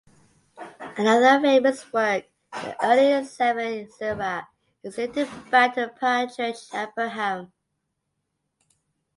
Another famous work, the early "Sefer Yetzirah", is dated back to the patriarch Abraham.